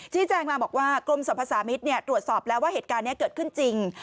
แจ้งมาบอกว่ากรมสรรพสามิตรตรวจสอบแล้วว่าเหตุการณ์นี้เกิดขึ้นจริง